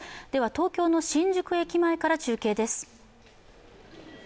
東京の新宿駅前から中継です。